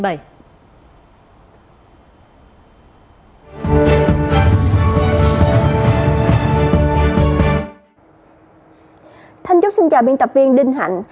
thân chúc xin chào biên tập viên đinh hạnh